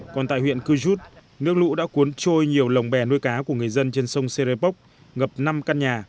còn tại huyện cư rút nước lũ đã cuốn trôi nhiều lồng bè nuôi cá của người dân trên sông serepok ngập năm căn nhà